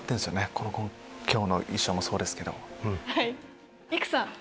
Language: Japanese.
この今日の衣装もそうですけども。